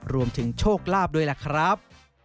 รวมถึงโชคลาภด้วยล่ะครับ